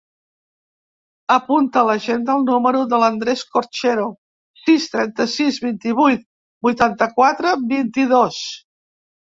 Apunta a l'agenda el número de l'Andrés Corchero: sis, trenta-sis, vint-i-vuit, vuitanta-quatre, vint-i-dos.